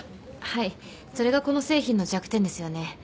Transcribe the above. はいそれがこの製品の弱点ですよね。